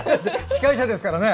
司会者ですからね。